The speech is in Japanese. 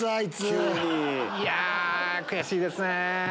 いや悔しいですね。